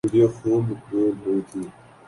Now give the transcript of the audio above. video خوب مقبول ہوئی تھی